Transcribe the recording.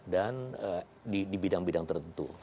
di bidang bidang tertentu